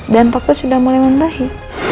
dan pak pa sudah mulai membahay